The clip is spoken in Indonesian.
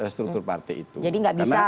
struktur partai itu jadi gak bisa